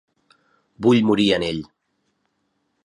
Vull morir en ell.